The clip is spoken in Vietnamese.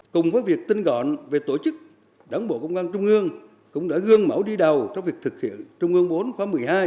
cùng với việc tinh gọn về tổ chức đảng bộ công an trung ương cũng đã gương mẫu đi đầu trong việc thực hiện trung ương bốn khóa một mươi hai